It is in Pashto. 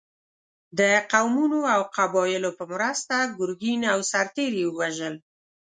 د قومونو او قبایلو په مرسته ګرګین او سرتېري یې ووژل.